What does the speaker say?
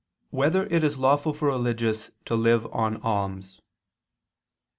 4] Whether It Is Lawful for Religious to Live on Alms?